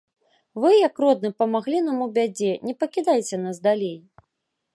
Вы, як родны, памаглі нам у бядзе, не пакідайце нас далей.